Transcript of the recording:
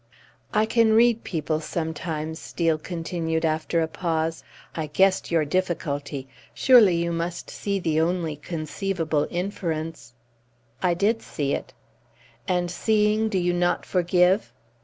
"I can read people sometimes," Steel continued after a pause. "I guessed your difficulty. Surely you must see the only conceivable inference?" "I did see it." "And, seeing, do you not forgive?"